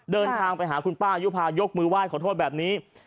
เดินทางไปหาคุณป้ายุภายกมือไหว้ขอโทษแบบนี้